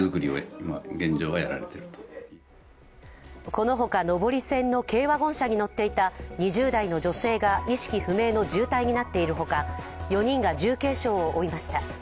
この他、上り線の軽ワゴン車に乗っていた２０代の女性が意識不明の重体になっているほか、４人が重軽傷を負いました。